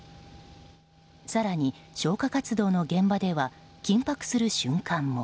更に消火活動の現場では緊迫する瞬間も。